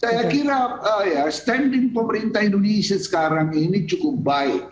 saya kira standing pemerintah indonesia sekarang ini cukup baik